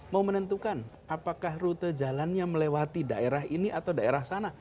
mau menentukan apakah rute jalannya melewati daerah ini atau daerah sana